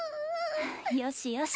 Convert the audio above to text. よしよし